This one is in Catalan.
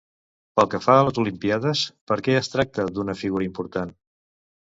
Pel que fa a les Olimpíades, per què es tracta d'una figura important?